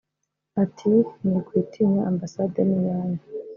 Ati “ Mwikwitinya Ambasade ni iyanyu